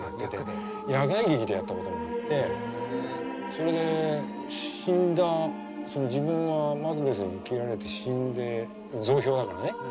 それで死んだその自分はマクベスに斬られて死んで雑兵だからね。